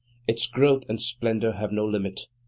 Its growth and splendour have no limit.